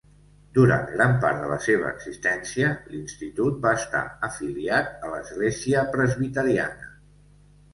Durant gran part de la seva existència, l'institut va estar afiliat a l'Església Presbiteriana.